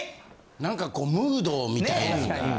・何かこうムードみたいなんが。